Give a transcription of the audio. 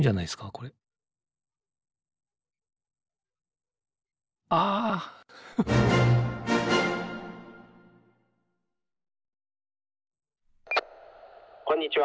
これあこんにちは